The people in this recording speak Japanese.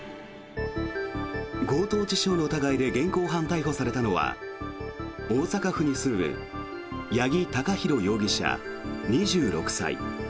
強盗致傷の疑いで現行犯逮捕されたのは大阪府に住む八木貴寛容疑者、２６歳。